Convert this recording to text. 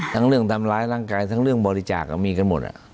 เรื่องทำร้ายร่างกายทั้งเรื่องบริจาคมีกันหมด